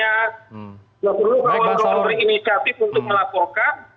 tidak perlu kawan kawan berinisiatif untuk melaporkan